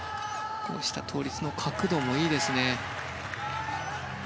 棒下倒立の角度もいいですね。